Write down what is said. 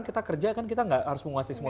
kita mengaincentar sekali saja ya